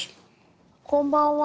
こんばんは。